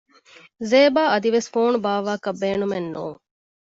ޒޭބާ އަދިވެސް ފޯނު ބާއްވާކަށް ބޭނުމެއް ނޫން